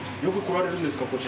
よく来られるんですか？